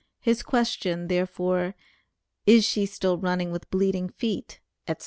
His question, therefore, "is she still running with bleeding feet," etc.